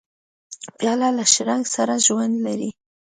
پیاله له شرنګ سره ژوند لري.